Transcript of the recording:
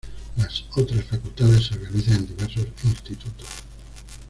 Las otras facultades se organizan en diversos institutos.